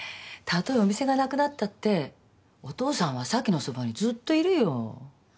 たとえお店がなくなったってお父さんは咲のそばにずっといるよ。